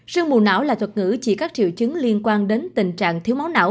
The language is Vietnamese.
sương mù não là thuật ngữ chỉ các triệu chứng liên quan đến tình trạng thiếu máu não